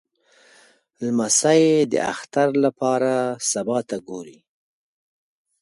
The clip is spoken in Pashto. لمسی د اختر لپاره سبا ته ګوري.